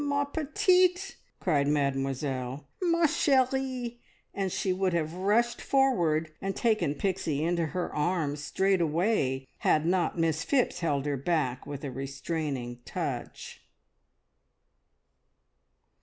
"Ma petite!" cried Mademoiselle. "Ma cherie!" and she would have rushed forward and taken Pixie into her arms straight away, had not Miss Phipps held her back with a restraining touch.